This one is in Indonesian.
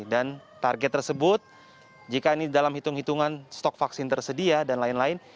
dan target tersebut jika ini dalam hitung hitungan stok vaksin tersedia dan lain lain